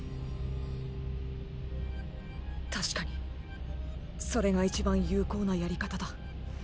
確かにそれが一番有効なやり方だ。！